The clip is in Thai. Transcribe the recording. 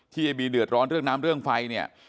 ยายบีเดือดร้อนเรื่องน้ำเรื่องไฟเนี่ย